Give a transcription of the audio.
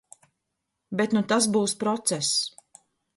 Bet nu tas būs process.